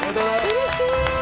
うれしい！